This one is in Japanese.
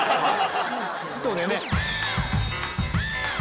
そうだよね。